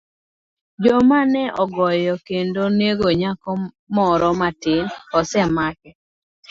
Joma ne ogoyo kendo nego nyako moro matin osemakgi